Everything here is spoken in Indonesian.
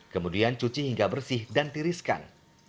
kemudian cuci hingga bersih dan tiriskan